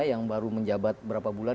yang baru menjabat berapa bulan